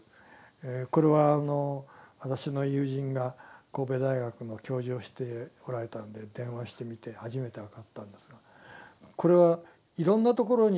これは私の友人が神戸大学の教授をしておられたんで電話してみて初めて分かったんですがこれはいろんなところに電話した。